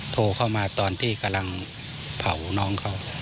โทรเข้ามาตอนที่กำลังเผาน้องเขา